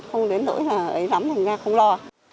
không đến nỗi là ấy rắm không lo